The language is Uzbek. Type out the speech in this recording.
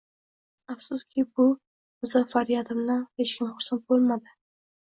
Afsuski, bu muzaffariyatimdan hech kim xursand bo’lmadi